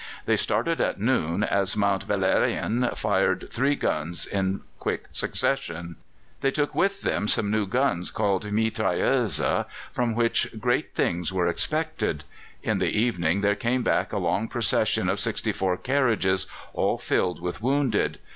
They started at noon, as Mont Valérien fired three guns in quick succession. They took with them some new guns, called mitrailleuses, from which great things were expected. In the evening there came back a long procession of sixty four carriages, all filled with wounded.